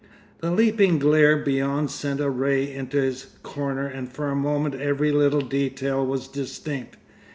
The leaping glare beyond sent a ray into his corner and for a moment every little detail was distinct.